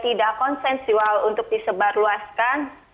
tidak konsensual untuk disebarluaskan